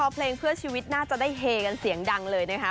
เพลงเพื่อชีวิตน่าจะได้เฮกันเสียงดังเลยนะคะ